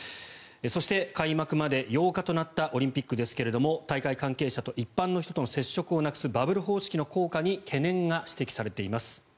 そして、開幕まで８日となったオリンピックですが大会関係者と一般の人との接触をなくすバブル方式の効果に懸念が指摘されています。